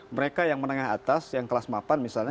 mereka yang menengah atas yang kelas mapan misalnya